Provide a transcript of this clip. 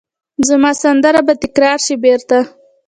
زما سندره به تکرار شي بیرته